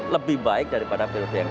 lebih baik daripada periode sekarang ini